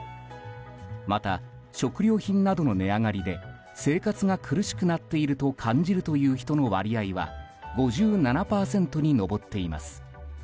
また、食料品などの値上がりで生活が苦しくなっていると感じるという人の割合は５７％に上っています。